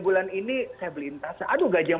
bulan ini saya beli tas aduh gajian